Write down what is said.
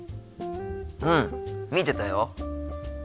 うん見てたよ。